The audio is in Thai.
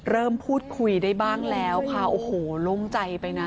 เริ่มพูดคุยได้บ้างแล้วค่ะโอ้โหโล่งใจไปนะ